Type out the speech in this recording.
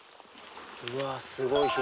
うわすごい広い。